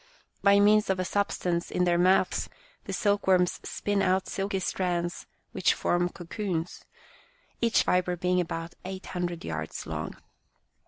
By means of a substance in their mouths the silkworms spin out silky strands which form cocoons, each fibre being about eight hundred yards long.